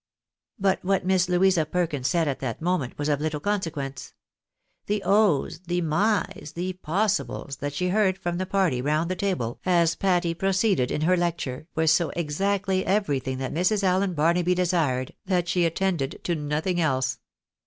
But what Miss Louisa Perkins said at that moment was of Uttle consequence. The " Ohs !" the " Mys !" the " Possibles !" that she heard from the party round the table, as Patty i^roceeded in her 156 THE BAENABYS IN AMBKICA. lecture, were so exactly everything that Mrs. Allen Bamaby de sired, that she attended to nothing else.